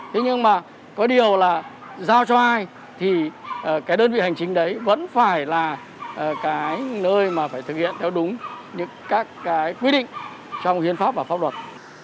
thế nhưng mà có điều là giao cho ai thì cái đơn vị hành chính đấy vẫn phải là cái nơi mà phải thực hiện theo đúng các cái quy định trong hiến pháp và pháp luật